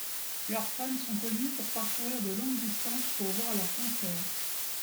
Leurs fans sont connus pour parcourir de longues distances pour voir leur concerts.